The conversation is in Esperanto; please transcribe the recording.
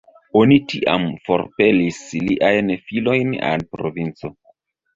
Oni tiam forpelis liajn filojn al provinco.